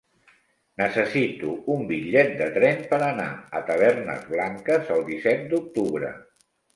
Necessito un bitllet de tren per anar a Tavernes Blanques el disset d'octubre.